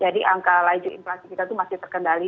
jadi angka laju inflasi kita itu masih terkendali